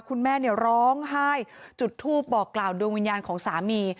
คุณแม่ร้องไห้จุดทูปบอกกล่าวดวงวิญญาณของสามี